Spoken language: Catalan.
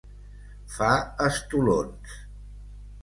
Fa estolons.